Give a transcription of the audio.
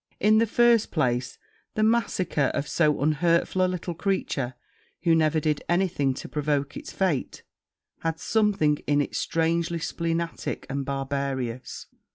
In the first place, the massacre of so unhurtful a creature, who never did any thing to provoke it's fate, had something in it strangely splenetic and barbarous.